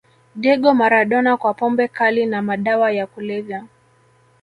diego maradona kwa pombe kali na madawa ya kulevya